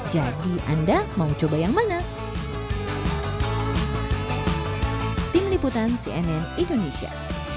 jadi anda mau coba yang mana